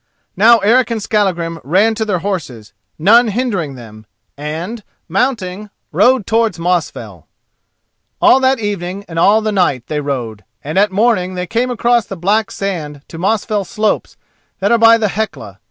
Now Eric and Skallagrim ran to their horses, none hindering them, and, mounting, rode towards Mosfell. All that evening and all the night they rode, and at morning they came across the black sand to Mosfell slopes that are by the Hecla.